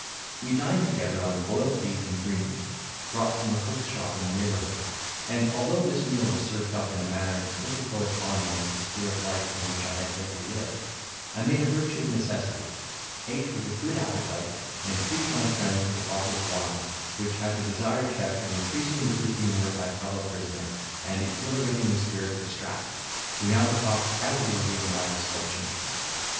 We dined together on boiled beef and greens, brought from a cook's shop in the neighbourhood, and, although this meal was served up in a manner little corresponding with the sphere of life in which I had lately lived, I made a virtue of necessity, ate with good appetite, and treated my friends with a bottle of wine, which had the desired effect of increasing the good humour of my fellow prisoner, and exhilarating the spirits of Strap, who now talked cavalierly of my misfortune.